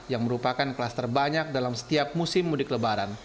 yang merupakan kelas terbanyak dalam setiap musim mudik lebaran